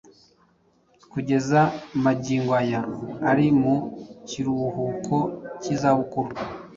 Kugeza magingo aya ari mu kiruhuko cy’izabukuru